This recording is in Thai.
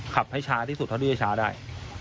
ขับให้ช้าที่สุดเท่าที่จะช้าได้